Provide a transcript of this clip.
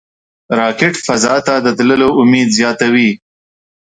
راکټ فضا ته د تللو امید زیاتوي